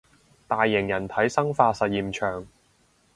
大型人體生化實驗場